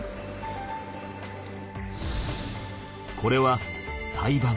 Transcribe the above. これは胎盤。